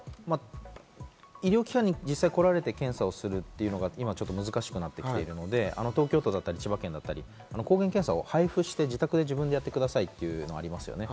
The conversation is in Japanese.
医療機関に実際に来られて検査をするのはちょっと難しくなってきているので、東京都や千葉県、抗原検査を配布して、自宅で自分でやってくださいというのがありますよね。